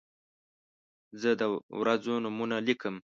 زه د ورځو نومونه لیکم.